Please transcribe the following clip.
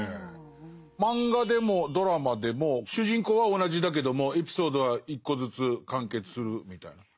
漫画でもドラマでも主人公は同じだけどもエピソードは一個ずつ完結するみたいな。